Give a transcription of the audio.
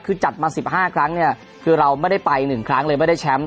คือจัดมา๑๕ครั้งเนี่ยคือเราไม่ได้ไป๑ครั้งเลยไม่ได้แชมป์